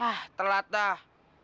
ah telat dah